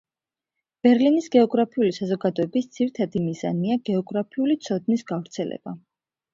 ბერლინის გეოგრაფიული საზოგადოების ძირითადი მიზანია გეოგრაფიული ცოდნის გავრცელება.